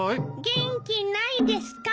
元気ないですか？